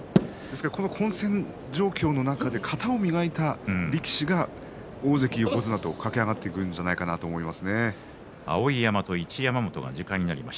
混戦状況の中で型を磨いた力士が大関横綱へと駆け上がっていくのではないかと思います。